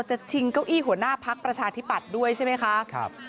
ชิงเก้าอี้หัวหน้าพักประชาธิปัตย์ด้วยใช่ไหมคะ